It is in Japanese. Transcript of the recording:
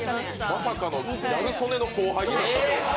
まさかのギャル曽根の後輩になったと。